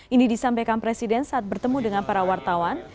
ini disampaikan presiden saat bertemu dengan para wartawan